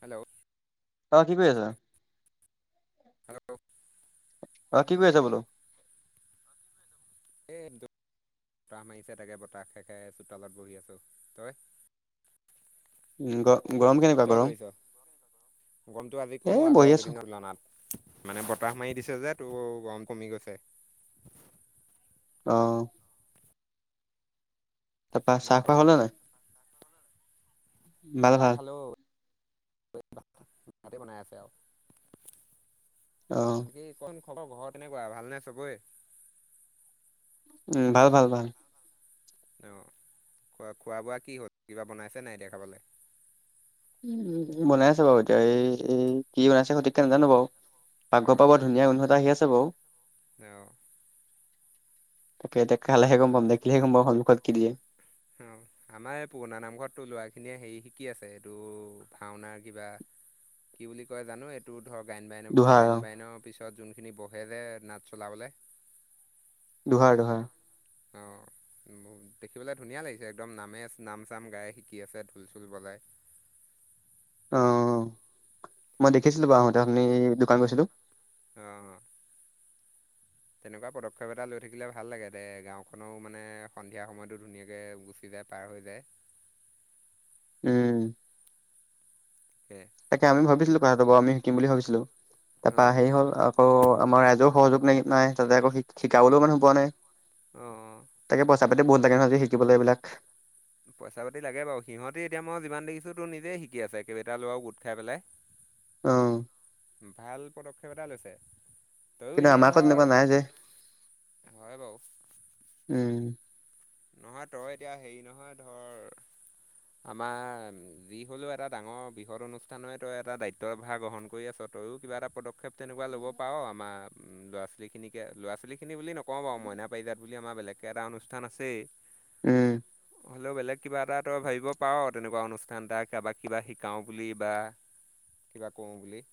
Hello অ' কি কৰি আছা? হেল্ল' অ' কি কৰি আছা বোলো? এই বতাহ মাৰিছে তাকে বতাহ খাই খাই চোতালত বহি আছো। তই উম, গৰম কেনেক তই দৌৰিচ গৰমটো আজি এ কমো বহি আছো আগৰকেইদিন তুলনাত। মানে বতাহ মাৰি দিছে যে তো গৰম কমি গৈছে। অ' তাৰপৰা উম, চাহ খোৱা হ'ল নে নাই? ভাল চাহ তাহ ভাল খালোঁ, ভাতে বনাই আছে আৰু অ কি কোন খবৰ ঘৰ কেনেকুৱা ভালনে চবৰে? উম, ভাল ভাল ভাল। অ' খোৱা খোৱা বোৱা কি হ'ল কিবা বনাইছে নাই এতিয়া খাবলৈ। উম, বনাই আছে বাৰু এতিয়া এই এই কি বনাইছে সঠিককে নাজানো বাৰু পাকঘৰ পাব। ধুনীয়া গোন্ধ এটা আহি আছে বাৰু। অ' তাকে এতিয়া খালেহে গ'ম পাম দেখিলহে গ'ম পাম সন্মুখত কি দিয়ে। অ' আমাৰ এই পুৰণা নামঘৰতো ল'ৰাখিনিয়ে হেৰি শিকি আছে এইটো ভাওনাৰ কিবা। কি বুলি কয় জানো, এইটো ধৰক গায়ন বায়নৰ দোহাৰ অ গায়ন বায়নৰ পিছত যোনখিনি বহে যে নাট চলাবলৈ। দোহাৰ, দোহাৰ। অ' দেখিবলৈ ধুনীয়া লাগিছে, একদম নামে নাম চাম গাই শিকি আছে ঢোল চোল বজাই। অ' মই দেখিছিলোঁ বাৰু আহোঁতে অথনি দোকান গৈছিলোঁ। অ' তেনেকুৱা পদক্ষেপ এটা লৈ থাকিলে ভাল লাগে দে গাঁওখনৰো মানে সন্ধিয়া সময়টো ধুনীয়াকৈ গুচি যায়। পাৰ হৈ যায়। উম। কে তাকে আমি ভাবিছিলোঁ কথাতোৰ আমি শিকম বুলি ভাবিছিলোঁ। তাৰপা অঁ হেৰি হ'ল আকৌ আমাৰ ৰাইজেও সহযোগ নাই নাই তাতে আকৌ শিকাবলৈও মানুহ পোৱা নাই। অঁ অঁ তাকে পইচা পাতি বহত লাগে নহয় আজি শিকিবলৈ এইবিলাক। পইচা পাতি লাগে বাৰু সিহঁতি এতিয়া মই যিমান দেখিছোঁ তোৰ নিজেই শিকি আছে। কেইবাটাও ল'ৰা গোট খাই পেলাই। অ' ভাল পদক্ষেপ এটা লৈছে তয়ো কিন্তু আমাৰ এনেই আকৌ তেনেকুৱা নাই যে ধৰ। হয় বাৰু। উম। নহয় তই এতিয়া হেৰি নহয় ধৰ। আমাৰ যি হ'লেও এটা ডাঙৰ বৃহৎ অনুষ্ঠানই তই এটা দায়িত্বভাৰ গ্ৰহণ কৰি আছোঁ। তইয়ো কিবা এটা পদক্ষেপ তেনেকুৱা ল'বপাৰো আৰু আমাৰ ল'ৰা ছোৱালীখিনিকে ল'ৰা ছোৱালীখিনি বুলি নক। নকও বাৰু মইনা পাৰিজাত বুলি আমাৰ বেলেগকে এটা অনুষ্ঠান আছেই। উম। হ'লেও বেলেগ কিবা এটা তই ভাবিব পাৰ তেনেকুৱা অনুষ্ঠান এটা কাৰোবাক কিবা শিকাও বুলি বা। কিবা কৰোঁ বুলি।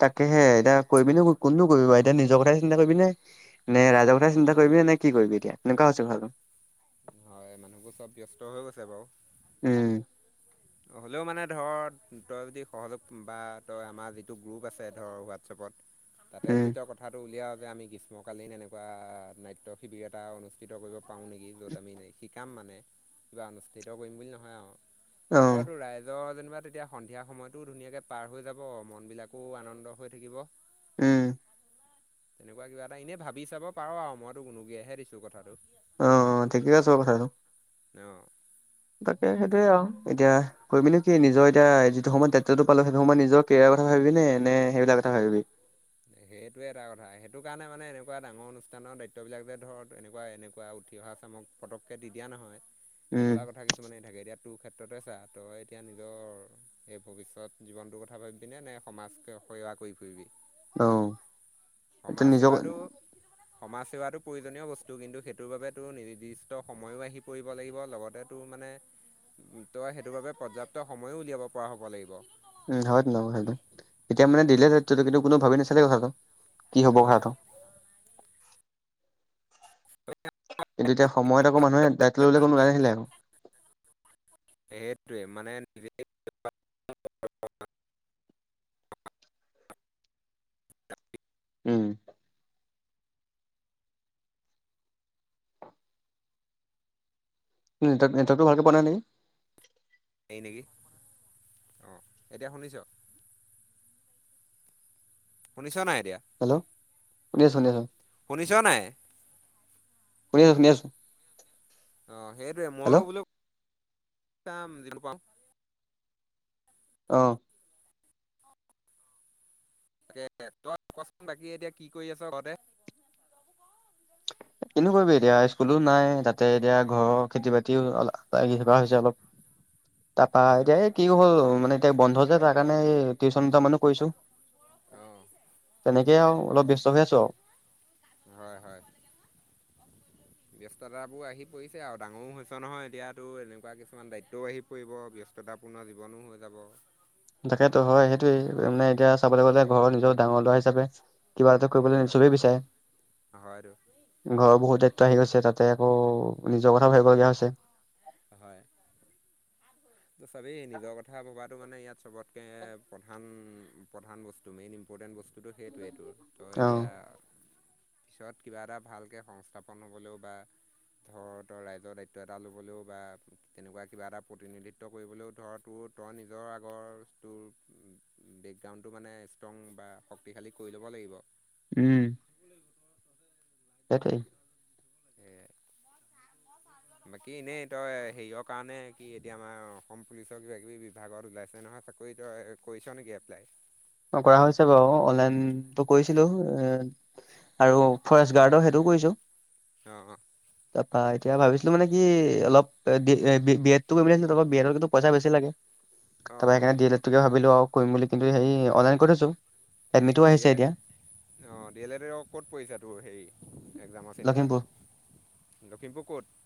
তাকে হে এতিয়া কৈবি নো কোননো। কৰিবা এতিয়া নিজৰ কথাাই চিন্তা কৰিবি নে নে ৰাইজৰ কথা চিন্তা কৰিবিনে নে কি কৰিবি এতিয়া এনেকুৱা হৈ হৈছে ঘৰতো। হয়, মানুহবোৰ চ'ব ব্যস্ত হৈ গৈছে বাৰু। উম। হ'লেও মানে ধৰ তই যদি সহযোগ বা তই আমাৰ যিটো গ্ৰুপ আছে ধৰ হোৱাটছএপত। [inaudible] তাতে যদি তেওঁ কথ কথাটো উলিয়াওঁ যে আমি গ্ৰীষ্মকালীন এনেকুৱা নাট্য শিবিৰ এটা অনুষ্ঠিত কৰিব পাৰোঁ নেকি য'ত আমি শিকাম মানে কিবা অনুষ্ঠিত কৰিম বুলি নহয় আৰু, অ ধৰাতো ৰাইজৰ যেনিবা তেতিয়া সন্ধিয়া সময়টো ধুনীয়াকৈ পাৰ হৈ যাব মনবিলাকো আনন্দ হৈ থাকিব। উম। তেনেকুৱা কিবা এটা এনে ভাবি চাব পাৰোঁ আৰু মইতো ওনুকিয়াহে দিছোঁ কথাটো। অ', অ', ঠিকে আছে কথাটো। অ'। তাকে সেইটোৱে আৰু এতিয়া কৰিবি নে কি নিজৰ এতিয়া যিটো সময়ত দায়িত্ব পালোঁ সেইটো সময়ত নিজৰ কেৰিয়াৰ কথা ভাবিবি নে নে সেইবিলাক কথা ভাবিবি। সেইটোৱে এটা কথা সেইটো কাৰণে মানে এনেকুৱা ডাঙৰ অনুষ্ঠানৰ দায়িত্ববিলাক যে ধৰ এনেকুৱা এনেকুৱা উঠি অহা চামক পতককে দি দিয়া নহয়, উম এনেকুৱা কথা কিছ কিছুমানে থাকে এতিয়া তোৰ ক্ষেত্ৰতে চা তই এতিয়া নিজৰ এই ভৱিষ্যত জীৱনটোৰ কথা ভাব [unintelligible] নে সমাজকে সেৱা কৰি ফুৰিবি। অ'। এতিয়া সমাজ নিজৰ সেৱাটো উম সমাজ সেৱাটো প্ৰয়োজনীয় বস্তু কিন্তু সেইটোৰ বাবেতো নিৰ্দিষ্ট সময়ো আহি পৰিব লাগিব লগতে তোৰ মানে, তই সেইটোৰ বাবে পৰ্যাপ্ত সময়ো উলিয়াব পৰা হ'ব লাগিব। উম, [unintelligible] সেইটো এতিয়া মানে দিলে দায়িত্ব কিন্তু কোনো ভাবি নাচছিলে কথাটো, কি হ'ব অঁ কথাটো। [unintelligible] কিন্ত এতিয়া সময়ত আকৌ মানুহে দায়িত্ব ল'লে কোনো [unintelligible] সেইটোৱে মানে [unintelligible] উম। নেটৱৰ্ক নেটৱৰ্কটো ভালকে পোৱা নাই নেকি। [unintelligible] নেকি, অ' এতিয়া শুনিছোঁ। শুনিছোঁ নাই এতিয়া। হেল্ল', শুনি আছোঁ শুনি আছোঁ। শুনিছ নাই? শুনি আছোঁ শুনি আছোঁ। অ' সেইটোৱে ময়ো বোলে চাম [unintelligible] পাওঁ। অ'। [unintelligible] তই ক'চোন বাকী এতিয়া কি কৰি আছোঁ ঘৰতে? কিনো কৰিবি এতিয়া স্কুলো নাই তাতে এতিয়া ঘৰৰ খেতি বাতিও লাগি থকা হৈছে অলপ। [unintelligible] এতিয়া অ' এ কি হ'ল মানে এতিয়া বন্ধ যে তাৰ কাৰণে টিউশচন দুটা মানো কৰিছোঁ। অ'। তেনেকে আৰু অলপ ব্যস্ত হৈ আছোঁ আৰু। হয় হয়। ব্যস্ততাবোৰ আহি পৰিছে আৰু ডাঙৰো হৈছে নহয় এতিয়াতো এনেকুৱা কিছুমান দায়িত্বও আহি পৰিব ব্যস্ততাপূৰ্ণ জীৱনো হৈ যাব। তাকেতো হয় সেইটোৱেই মানে এতিয়া চাবলৈ গ'লে ঘৰৰ নিজৰ ডাঙৰ ল'ৰা হিচাপে কিবা এটা হয় কৰিবলৈ হয় চবেই হয়তো বিচাৰে। ঘৰৰ বহু দায়িত্ব আহি গৈছে তাতে আকৌ নিজৰ কথাও ভাবিবলগীয়া হৈছে। হয়। [unintelligible] চাবেই নিজৰ কথা ভবাটো মানে ইয়াত চবতকে প্ৰধান প্ৰধান বস্তু মেইন ইম্পৰ্টেণ্ট বস্তু। [unintelligible] সেইটোৱেইটো তোৰ তই এতিয়া অ' পিছত কিবা এটা ভালকৈ সংস্থাপন হ'বলৈও বা ধৰ তই ৰাইজৰ দায়িত্ব এটা ল'বলৈও বা, তেনেকুৱা কিবা এটা প্ৰতিনিধিত [unintelligible] কৰিবলৈও ধৰ তোৰ তই নিজৰ আগৰ তোৰ বেকগ্ৰাউণ্ডটো মানে ষ্ট্ৰং বা শক্তিশালী কৰি ল'ব লাগিব। উম। তাকেই। [unintelligible] বাকী এনেই তই হেৰিয়ৰ কাৰণে, কি এতিয়া আমাৰ অসম পুলিচৰ কিবা-কিবি বিভাগত ওলাইছে নহয় চাক অই তই কৰিছ নেকি এপ্লাই? কৰা হৈছে বাৰু, অনলাইনটো কৰিছিলো এ আৰু ফৰেষ্ট গাৰ্ডৰ সেইটোও কৰিছো। অ', অ'। তাৰপা এতিয়া ভাবিছিলোঁ মানে কি, অলপ বি-বি এডটো কৰিব লৈছিলো বি এডতো পইচা বেছি লাগে। অঁ তাৰপৰা সেইকাৰণে অঁ দি এল ড তোকে ভাবিলো আৰু কৰিম বুলি, কিন্তু সেই অনলাইন কৰি থৈছো। এডমিটো আহিছে এতিয়া। অ', দি এল ড ক'ত পৰিছা তোৰ হেৰি এক্সামৰ চেণ্টাৰ? লখিমপুৰ লখিমপুৰ ক'ত?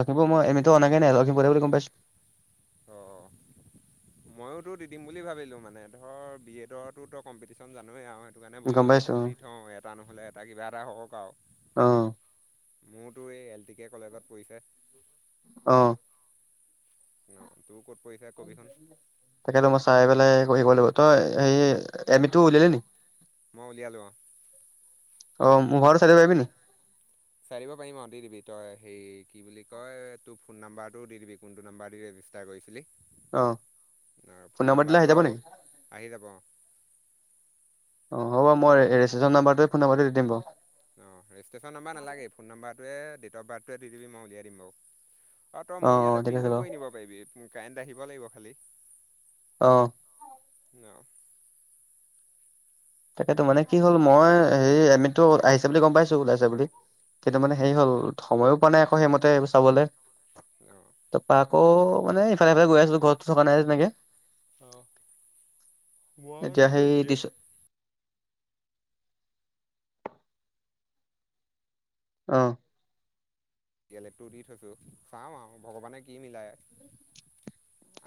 লখিমপুৰ মই এডমিট অনোকে নাই, লখিমপুৰতে বুলি গম পাইছো। অ'। মইয়োতো দি দিম বুলি ভাবিলো, মানে ধৰ বি এড ৰ কম্পিটিশ্যন জানৱেই আৰু সেইটো কাৰণে বোলো গম পাইছো এইটো দি থওঁ এ এটা নহ'লে এটা, কিবা এটা হওক আৰু অ', অ', মোৰতো এই এল টি কে কলেজত পৰিছে। অ'। অ', তোৰ ক'ত পৰিছে কবিচোন? তাকে মই চাই পেলাই কৈ দিব লাগিব, তই হে এডমিটটো উলিয়ালি নি? মই উলিয়ালোঁ, অ'। অ', মোৰ ঘৰত [unintelligible] নি? চাই দিব পাৰিম আৰু দি দিবি, তই হেৰি কি বুলি কয় তোৰ ফোন নাম্বাৰটো দি দিবি। কোনটো নাম্বাৰ দি ৰেজিষ্টাৰ কৰিছিলি অ', ফোন নম্বৰ দিলে আহি নাম্বাৰটো যাব আৰু নেকি? আহি যাব। অ', হ'ব মই ৰেজিষ্টেশ্যন নাম্বাৰতোৱে, ফোন নাম্বাৰতোৱে দি দিম বাৰু। অ', ৰেজিষ্টেশ্যন নাম্বাৰ নালাগেই ফোন নাম্বাৰটোৱে, ডেট অফ বাৰ্থটোৱে, দি দিব মই উলিয়াই দিম বাৰু। অ', তই মোৰ অ', ইয়াতে ঠিক আছে প্ৰিণ্টো বাৰু কৰি নিব পাৰিবি, কাৰেণ্ট আহিব লাগিব খালী। অ'। নহ? তাকেতো মানে কি হ'ল মই হেৰি এডমিটটো আহিছে বুলি গম পাইছো, ওলাইছে বুলি। কিন্তু মানে হেৰি হ'ল, সময়ো পোৱা নাই আকৌ সেইমতে এইবোৰ চাবলে। অ'। তাৰপা আকৌ মানে ইফালে সিফালে গৈ আছো, ঘৰতো থকা নাই তেনেকে। অ', এতিয়া সেই [unintelligible] বি এ দিছো অ'। ডি এল এডটো দি থৈছোঁ, চাওঁ আৰু ভগৱানে কি মিলায়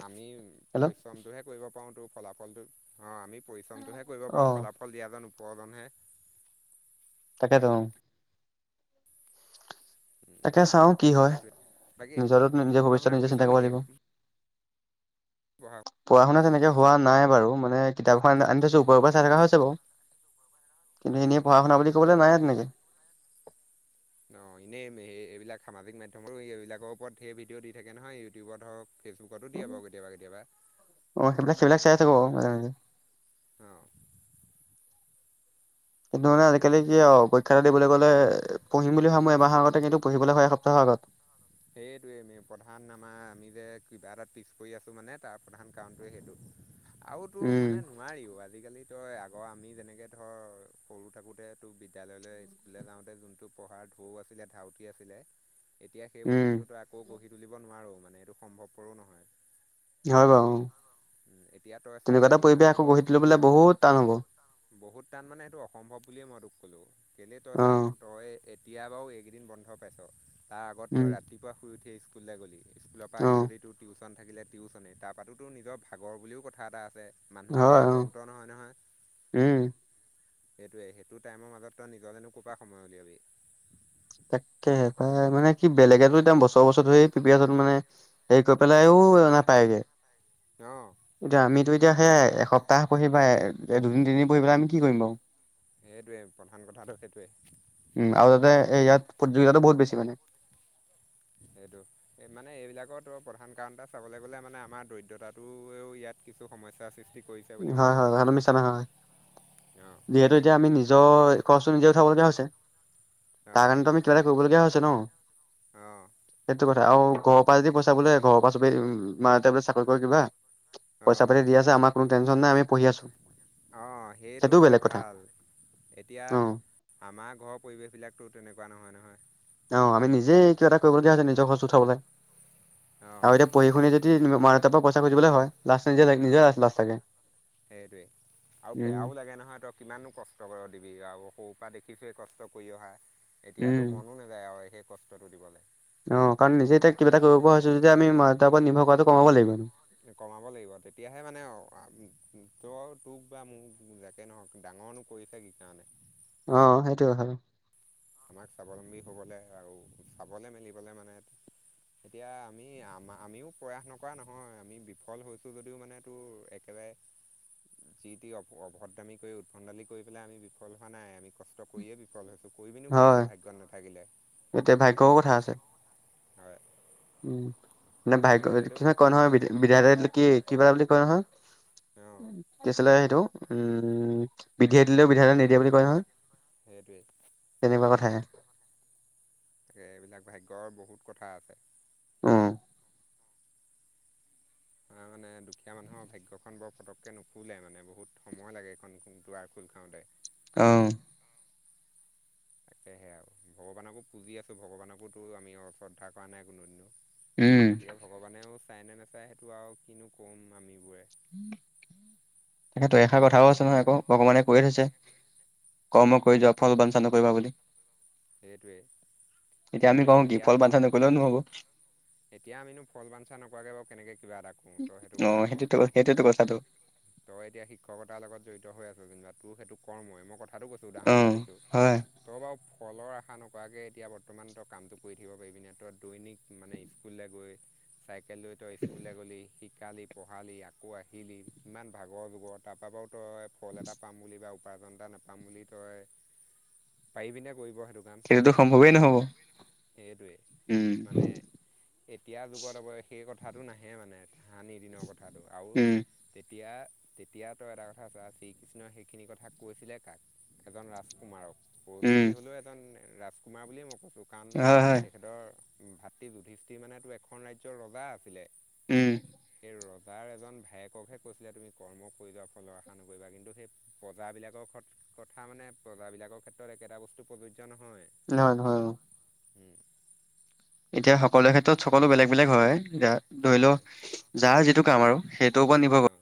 আমি হেল্ল' পৰিশ্ৰমটোহে কৰিব পাৰোঁতো, ফলাফলটো। অ', আমি পৰিশ্ৰমটোহে কৰিব অ পাৰোঁ ফলাফল অকল দিয়া জন উপৰজনহে। তাকেতো। তাকে চাও কি হয়, সেইটোৱে বাকী নিজৰে নিজৰ পঢ়া ভৱিষ্যত শুনা নিজে কৰিছ চিন্তা নি কৰিব এনেই লাগিব। পঢ়া পঢ়া শুনা তেনেকে হোৱা নাই বাৰু, মানে কিতাপখন আনি থৈছো ওপৰে ওপৰে চাই থকা হৈছে বাৰু। কিন্তু অঁ এনেয়ে পঢ়া শুনা বুলি ক'বলৈ নাই তেনেকে। নহ এনেই সেই এইবিলাক সামাজিক মাধ্যমৰো এইবিলাকৰ ওপৰত ধেৰ ভিডিঅ' দি থাকে নহয়, ইউটিউবত হওক ফেচবুকতো দিয়ে বাৰু কেতিয়াবা, কেতিাবা। অ', সেইবিলাক সেইবিলাক চাই আছো বাৰু, মাজে মাজে। অ'। কিন্তু মানে আজিকালি বাকী কি সেইয়াই আৰু প পৰীক্ষা এটা দিবলৈ গ'লে পঢ়িম বুলি ভাব মই এমাহৰ আগতে। কিন্তু পঢ়িবলৈ হয় এসপ্তাহৰ আগত। সেইটোৱে প্ৰধান আমাৰ আমি যে কিবা এটটা পিচ কৰি আছোঁ মানে তাৰ প্ৰধান কাৰণটোৱে সেইটো। আৰু তোৰ মানে উম, ন নোৱাৰিও আজিকালি তই আগৰ আমি যেনেকৈ ধৰ সৰু থাকোঁতেতো বিদ্যালয়লৈ ললৈ যাওঁতে যোনটো পঢ়াৰ ঢৌ আছিলে ধাউতি আছিলে। [inaudible] এতিয়া সেই উম, বস্তুটোতো আকৌ গঢ়ি তুলিব নোৱাৰোঁ মানে এইটো সম্ভৱপৰো নহয়। হয় বাৰু এতিয়া তই চা তেনেকুৱা এটা এই পৰিৱেশ মাহটো আকৌ বাৰু গঢ়ি তুলিবলৈ বহুত টান হ'ব। বহুত টান মানে সেইটো অসম্ভৱ বুলিয়ে মই তোক ক'লোঁ। কেইলে তই চাহোন অ', তই এতিয়া বাৰু এইকেইদিন বন্ধ পাইছ তাৰ আগত উম, তই ৰাতিপুৱা শুই উঠি স্কুললৈ গ'লি। স্কুলৰ পৰা আহি অ', যদি তোৰ টিউচন থাকিলে টিউশ্যনেই তাৰ পৰাতো নিজৰ ভাগৰ বুলিও কথা এটা আছে। মানুহে হয় অ', যন্ত্ৰ নহয় নহয়। উম, সেইটোৱে সেইটো টাইমৰ মাজত তই নিজলেনো ক'ৰ পৰা সময় উলিয়াবি। তাকে হে প্ৰায় মানে কি বেলেগেতো এতিয়া বছৰ বছৰ ধৰি প্ৰিমিয়াৰত মানে হেৰি কৰি পেলাইও নাপায়গে। অ'। এতিয়া আমিতো এতিয়া সেই এসপ্তাহ পঢ়িবা দুদিন তিনিদিন পঢ়ি পাই আমি কি কৰিম বাৰু। সেইটোৱেই প্ৰধান কথাটো সেইটোৱেই। উম, আৰু তাতে ইয়াত প্ৰতিযোগিতাটো বহুত বেছি মানে। এইটো। মানে এইবিলাকতো প্ৰধান কাৰণ এটা চাবলৈ গ'লে মানে আমাৰ দৰিদ্ৰতাটোও ইয়াত কিছু সমস্যাৰ সৃষ্টি কৰিছে। বুলি মই হয়, ক'ম হয় কথাতো মিছা নহয় অ', যিহেতু এতিয়া আমি নিজৰ খৰচটো নিজে উঠাব লগীয়া হৈছে। তাৰ অ', কাৰণেতো আমি কিবা এটা কৰিবলগীয়া হৈছে ন। অ'। সেইটো কথা আৰু ঘৰৰ পৰা যদি পইচা বোলে ঘৰৰ পৰা চবে মাতে বোলে চাকৰি কৰে কিবা। পইচা অ', পাতি দি আছে আমাক। অ', সেইটো সেইটোও হ'লে বেলেগ কথা ভাল এতিয়া অ আমাৰ ঘৰৰ পৰিৱেশবিলাকতো তেনেকুৱা নহয় নহয়। অ', আমি নিজে কিবা এটা কৰিবলগীয়া হৈছে নিজৰ খৰচ উঠাবলৈ অ', আৰু এতিয়া পঢ়ি শুনি যদি মা দেউাৰ পৰা পইচা খুজিবলৈ হয়। লাষ্ট লাগে অ', নিজৰে লাজ লাগে সেইটোৱেই আৰু উম। বেয়াও লাগে নহয় কিমানো কষ্ট কৰিব দিবি আৰু সৰুৰ পৰা দেখিছোৱে কষ্ট কৰি অহা। এতিয়াতো উম মনো নাযায় আৰু সেই কষ্টটো দিবলৈ। অ', কাৰণ নিজে এতিয়া কিবা এটা কৰিব হৈছো যদি আমি মা দেউতাৰ পৰা নিৰ্ভৰ কৰাটো কমাব লাগিব। কমাব লাগিব তেতিয়াহে মানে ত' তোক বা মোক যাকে নহওক ডাঙৰনো কৰিছে কি কাৰণে। অ', সেইটোয়ে হয়। আমাক স্বাৱলম্বী হ'বলৈ আৰু চাবলৈ মেলিবলৈ মানে এতিয়া আমি আ আমিও প্ৰয়াস নকৰা নহয় আমি বিফল হৈছোঁ যদিও মানে তোৰ এক একেবাৰে যি তি অভদ্ৰামী কৰি উদভণ্ডালি কৰি পেলাই আমি বিফল হোৱা নাই আমি কষ্ট কৰিয়ে বিফল হৈছো। কৰিবি নো কি হয় এতিয়া ভাগ্যত নাথাকিলে। এতিয়া ভাগ্যও কথা আছে। হয়। উম, মে ভাগ্য এইটোৱে এইটো কি কয় নহয় বিধাতাই দিলে কি কিবা বুলি কয় নহয়। অ'। কি আছিলে সেইটো উম বিধিয়ে দিলেও বিধাটায়ে নিদিয়ে বুলি কয় নহয়। সেইটোৱেই। তেনেকুৱা কথাহে। তাকে এইবিলাক ভাগ্যৰ বহুত কথা আছে। উম তাৰ মানে দুখীয়া মানুহৰ ভাগ্যখন বৰ পটককৈ নুখুলে মানে বহুত সময় লাগে এইখন দুৱাৰ খোল খাওঁতে। অ'। সেয়েহে আৰু ভগৱানকো পুজি আছোঁ ভগৱানকো তো আমি শ্ৰদ্ধা কৰা নাই কোনোদিনো। উম গতিকে ভগৱানেও চাই নে নেচায় সেইটো আৰু কিনো কম আমিবোৰে। [inaudible] তাকেতো এষাৰ আমি কথাও আছে নহয় আকৌ নিমিত্তহে অ ভগৱানে কৈয়ে থৈছে কৰ্ম কৰি যাওক। ফল বাঞ্চা নকৰিবা বুলি সেইটোৱেই এতিয়া আমি কিন্তু কওঁ কি এতিয়া ফল মানে [unintelligible] নকৰিলেও নহ'ব। এতিয়া আমিনো ফল বাঞ্চা নকৰাকৈ বাৰু কেনেকৈ কিবা এটা কৰোঁ তই সেইটো কথা অ' ক সেইটোটো সেইটোটো কথাটো। তই এতিয়া শিক্ষকতাৰ লগত জড়িত হৈ আছ কিনিব তোৰ সেইটো কৰ্মই মই কথা কথাটো কৈছোঁ অ উদাহৰণ এটা দিছোঁ। হয় তই বাৰু ফলৰ আশা নকৰাকে এতিয়া বৰ্তমান তই কামটো কৰি থাকিব পাৰিবি নে তই দৈনিক মানে স্কুললৈ গৈ চাইকেল লৈ তই স্কুললৈ গ'লি শি শিকালি পঢ়ালি আকৌ আহিলি ইমান ভাগৰ ভুকত তাৰপা বাৰু তই ফল এটা পাম বুলি বা উপাৰ্জন এটা নাপাম বুলি তই পাৰিবিনে কৰিব সেইটো কাম সেইটোটো সম্ভৱেই নহ'ব সেইটোৱে উম। মানে এতিয়া যুগত আৰু সেই কথাটো নাহে মানে হানি দিনৰ কথাটো আৰু উম তেতিয়া তেতিয়া তই এটা কথা চা শ্ৰীকৃষ্ণই সেইখিনি কথা কৈছিলে কাক? এজন ৰাজকুমাৰক। অৰ্জুন উম যি হ'লেও এজন ৰাজকুমাৰ বুলিয়ে মই কৈছোঁ কাৰণ হয় হয় তেখেতৰ ভাতৃ যুধিষ্ঠিৰ তি মানে এখন ৰাজ্যৰ ৰজা আছিলে। উম। সেই ৰজাৰ এজন ভায়েককহে কৈছিলে তুমি কৰ্ম কৰি যোৱাৰ ফলৰ আশা নকৰিবা কিন্তু সেই প্ৰজাবিলাকৰ ঘৰত কথা মানে প্ৰজাবিলাকৰ ক্ষেত্ৰত একেটা বস্তু প্ৰযোজ্য নহয়? নহয় নহয় অ'। উম। এতিয়া সকলোৰে ক্ষেত্ৰত সকলো বেলেগ বেলেগ হয় এতিয়া ধৰি লও হয় যাৰ যিটো কাম আৰু সেইটো ওপৰত নিৰ্ভৰ অ